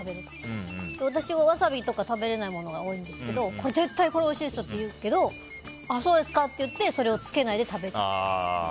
私ワサビとか食べれないものが多いんですけどこれ絶対おいしいですよって言うけどああ、そうですかって言ってそれをつけないで食べちゃう。